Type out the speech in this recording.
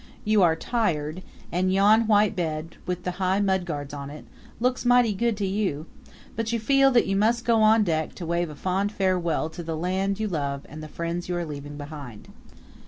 You are tired, and yon white bed, with the high mudguards on it, looks mighty good to you; but you feel that you must go on deck to wave a fond farewell to the land you love and the friends you are leaving behind.